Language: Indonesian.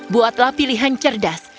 buatlah pilihan cerdas